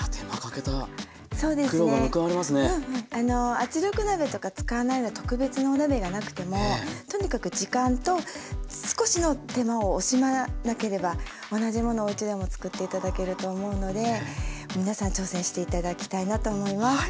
圧力鍋とか使わないので特別なお鍋がなくてもとにかく時間と少しの手間を惜しまなければ同じものをおうちでも作って頂けると思うので皆さん挑戦して頂きたいなと思います。